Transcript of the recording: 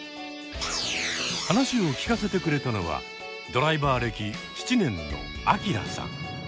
話を聞かせてくれたのはドライバー歴７年のアキラさん。